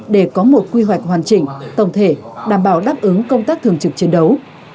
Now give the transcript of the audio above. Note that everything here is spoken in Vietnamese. để có một quy hoạch hoàn chỉnh tổng thể đảm bảo đáp ứng công tác thường trực chiến đấu